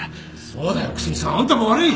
そうだよ久住さんあんたも悪い！